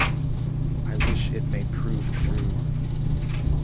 I wish it may prove true.